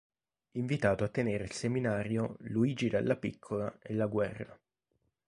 Invitato a tenere il Seminario “Luigi Dallapiccola e la guerra.